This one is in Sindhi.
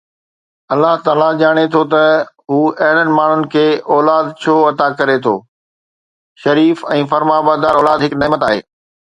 الله تعاليٰ ڄاڻي ٿو ته هو اهڙن ماڻهن کي اولاد ڇو عطا ڪري ٿو، شريف ۽ فرمانبردار اولاد هڪ نعمت آهي